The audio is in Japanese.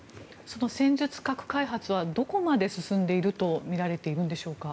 その戦術核開発はどこまで進んでいるとみられているんでしょうか？